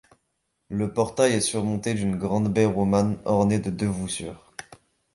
Le portail est surmonté d'une grande baie romane ornée de deux voussures.